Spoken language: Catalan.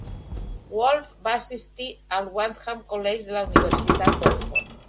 Wolfe va assistir al Wadham College de la Universitat d'Oxford.